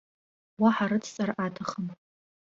Уаҳа рыцҵара аҭахым.